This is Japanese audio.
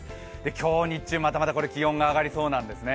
今日日中、まだまだこれ、気温が上がりそうなんですね。